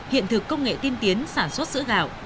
hiện thực công nghệ tiên tiến sản xuất sữa gạo